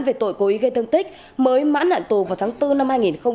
về tội cố ý gây thương tích mới mãn hạn tù vào tháng bốn năm hai nghìn hai mươi ba